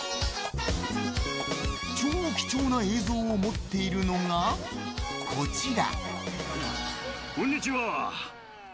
超貴重な映像を持っているのがこちら。